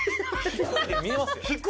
見えますよ。